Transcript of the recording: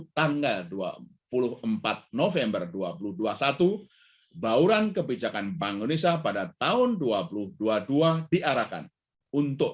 tanggal dua puluh empat november dua ribu dua puluh satu bauran kebijakan bank indonesia pada tahun dua ribu dua puluh dua diarahkan untuk